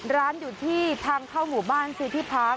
ร้านอยู่ที่ทางเข้าหมู่บ้านซีที่พัก